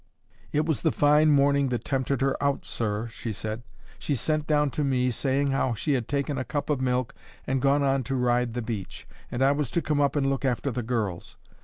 "It was the fine morning that tempted her out, sir," she said. "She sent down to me, saying how she had taken a cup of milk and gone to ride on the beach, and I was to come up and look after the girls.